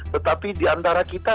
tetapi di antara kita